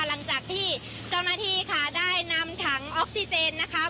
หลังจากที่เจ้าหน้าที่ค่ะได้นำถังออกซิเจนนะคะ